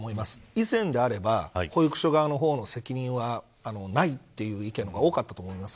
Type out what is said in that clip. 以前であれば保育所側の責任はないという意見の方が多かったと思います。